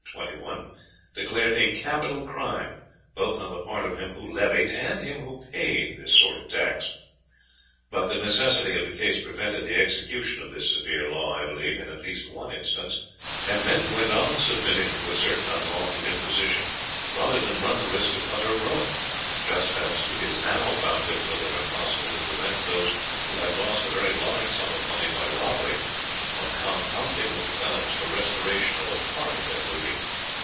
21, declared a capital crime both on the part of him who levied and him who paid this sort of tax. But the necessity of the case prevented the execution of this severe law, I believe, in any one instance; and men went on submitting to a certain unlawful imposition rather than run the risk of utter ruin just as it is now found difficult or impossible to prevent those who have lost a very large sum of money by robbery, from compounding with the felons for restoration of a part of their booty.